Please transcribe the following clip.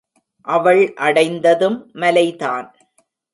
அவள் அடைந்ததும் மலைதான்.